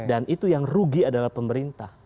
dan itu yang rugi adalah pemerintah